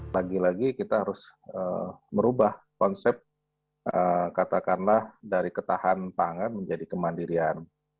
lagi lagi kita harus merubah konsep katakanlah dari ketahan pangan menjadi kemandirian